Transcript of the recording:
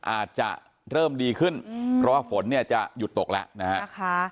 อาจจะเริ่มดีขึ้นเพราะว่าฝนเนี่ยจะหยุดตกแล้วนะฮะ